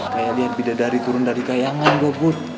kayak liat bidadari turun dari kayangan gue bud